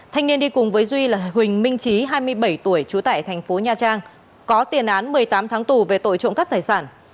thanh niên đi cùng với duy là huỳnh minh trí hai mươi bảy tuổi trú tại thành phố nha trang có tiền án một mươi tám tháng tù về tội trộm cắp tài sản